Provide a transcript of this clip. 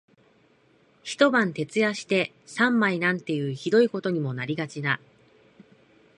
一晩徹夜して三枚なんていう酷いことにもなりがちだ